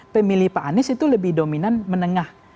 pemilih pak anies itu lebih dominan menengah